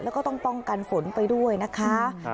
แล้วก็ต้องป้องกันฝนไปด้วยนะคะ